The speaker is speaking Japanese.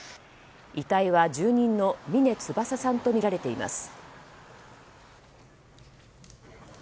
遺体は住人の峰翼さんとみられています。